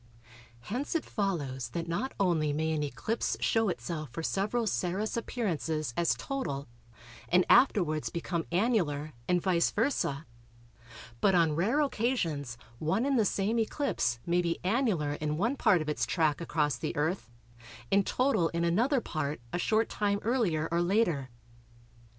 Hence it follows that not only may an eclipse show itself for several Saros appearances as total and afterwards become annular, and vice versâ, but on rare occasions one and the same eclipse may be annular in one part of its track across the Earth and total in another part, a short time earlier or later.